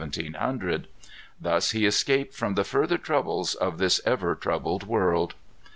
Thus he escaped from the further troubles of this ever troubled world.